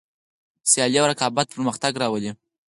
سیالي او رقابت پرمختګ راولي.